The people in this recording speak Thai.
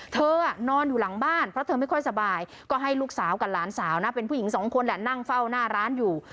นอนอยู่หลังบ้านเพราะเธอไม่ค่อยสบายก็ให้ลูกสาวกับหลานสาวนะเป็นผู้หญิงสองคนแหละนั่งเฝ้าหน้าร้านอยู่